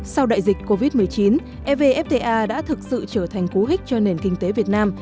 sau đại dịch covid một mươi chín evfta đã thực sự trở thành cú hích cho nền kinh tế việt nam